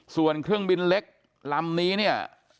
ส่วนเครื่องบินเล็กลำนี้เนี่ย